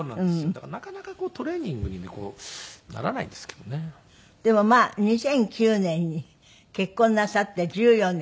だからなかなかトレーニングにねならないんですけどね。でもまあ２００９年に結婚なさって１４年。